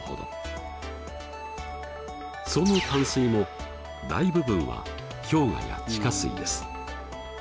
その淡水も大部分は氷河や地下水です。